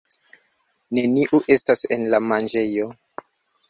Neniu estas en la manĝejo.